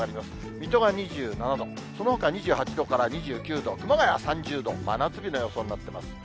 水戸が２７度、そのほか２８度から２９度、熊谷は３０度、真夏日の予想になっています。